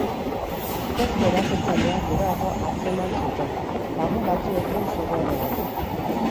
Ustezko erasotzailea geroago atzeman zuten, lagun batzuekin zegoenean.